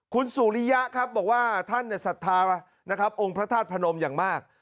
คุณสุริยะครับบอกว่าท่านศรัทธานะครับองค์พระธาตุพนมอย่างมาก